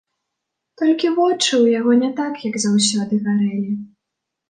Толькі вочы ў яго не так, як заўсёды, гарэлі.